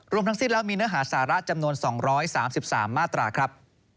ทั้งสิ้นแล้วมีเนื้อหาสาระจำนวน๒๓๓มาตราครับ